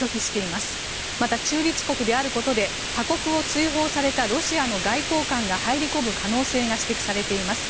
また、中立国であることで他国を追放されたロシアの外交官が入り込む可能性が指摘されています。